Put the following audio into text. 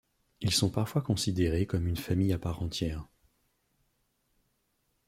Ils sont parfois considérés comme une famille à part entière.